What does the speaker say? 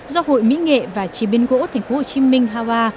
do hội mỹ nghệ và chí biên gỗ tp hcm hawa